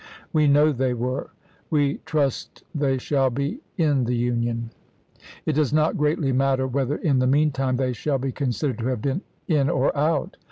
We know they were, we trust they shall be, in the Union. It does not greatly matter whether in the mean time they shall be considered to have been in or out."